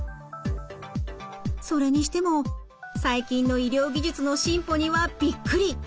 それにしても最近の医療技術の進歩にはびっくり！